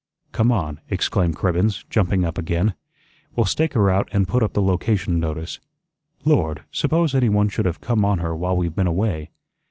"Come on," exclaimed Cribbens, jumping up again. "We'll stake her out an' put up the location notice. Lord, suppose anyone should have come on her while we've been away."